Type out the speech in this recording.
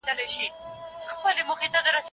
ټول د فرنګ له ربابونو سره لوبي کوي